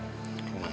jadi ada murid bareng